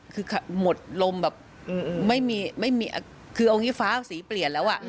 คือหมดลมแบบไม่มีคือเอาอย่างนี้ฟ้าสีเปลี่ยนแล้ว